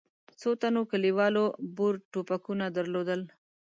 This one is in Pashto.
څو تنو کلیوالو بور ټوپکونه درلودل.